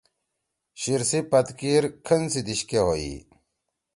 شیِر سی پتکیِر کھن سی دیِش کے ہویی۔